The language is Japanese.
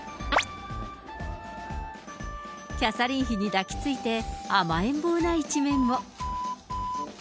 キャサリン妃に抱きついて、甘えん坊な一面も。